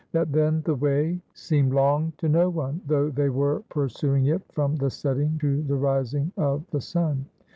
That 337 ROME then the way seemed long to no one, though they were pursuing it from the setting to the rising of the sun.